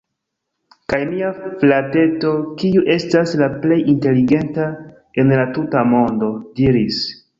Kaj mia frateto, kiu estas la plej inteligenta en la tuta mondo, diris: